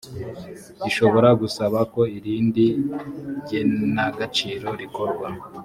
ishobora gusaba ko irindi genagaciro rikorwa.